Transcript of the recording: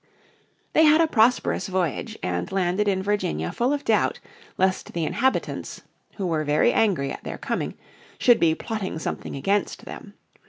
They had a prosperous voyage and landed in Virginia full of doubt lest the inhabitants, who were very angry at their coming, should be plotting something against them.